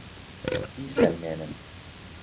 بیسەلمێنن!